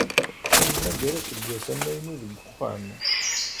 Ad nemmager aseggas amaynu deg uxxam.